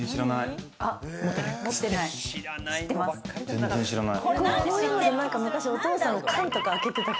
全然知らない。